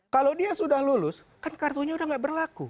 kalau dia sudah lulus kan kartunya udah nggak berlaku